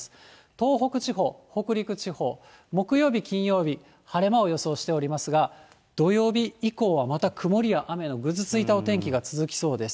東北地方、北陸地方、木曜日、金曜日、晴れ間を予想しておりますが、土曜日以降はまた曇りや雨のぐずついたお天気が続きそうです。